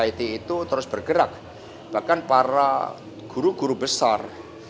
kalau civil society itu terus bergerak bahkan para guru guru besar